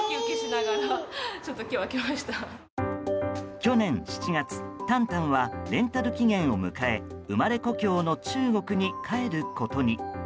去年７月、タンタンはレンタル期限を迎え生まれ故郷の中国に帰ることに。